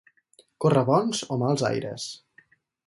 Córrer bons o mals aires.